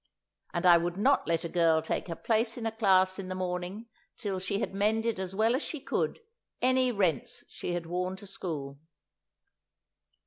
And I would not let a girl take her place in a class in the morning till she had mended as well as she could any rents she had worn to school."